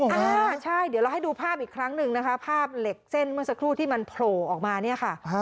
อ่าใช่เดี๋ยวเราให้ดูภาพอีกครั้งหนึ่งนะคะภาพเหล็กเส้นเมื่อสักครู่ที่มันโผล่ออกมาเนี่ยค่ะ